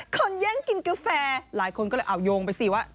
แย่งกินกาแฟหลายคนก็เลยเอาโยงไปสิว่า